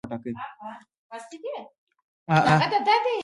د متحد ایالاتو د جهیلونو موقعیت په نقشې کې وټاکئ.